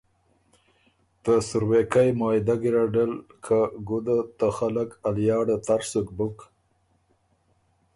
ته سُروېکئ معاهدۀ ګیرډه ل که ګُده ته خلق ا لیاړه تر سُک بُک